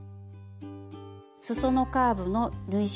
すそのカーブの縫い代